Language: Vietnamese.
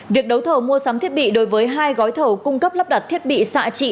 việc đấu thầu mua sắm thiết bị đối với hai gói thầu cung cấp lắp đặt thiết bị xạ trị